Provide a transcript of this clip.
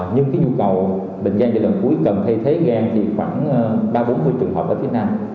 nhưng cái nhu cầu bệnh viện di đồng hai cần thay thế gan thì khoảng ba bốn mươi trường hợp ở phía nam